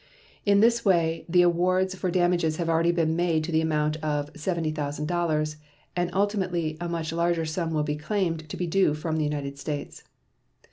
In this way the awards for damages have already been made to the amount of $70,000, and ultimately a much larger sum will be claimed to be due from the United States.